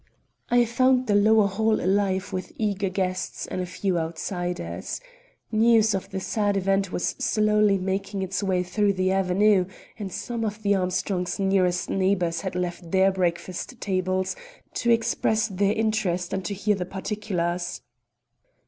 I found the lower hall alive with eager guests and a few outsiders. News of the sad event was slowly making its way through the avenue, and some of the Armstrongs' nearest neighbors had left their breakfast tables to express their interest and to hear the particulars.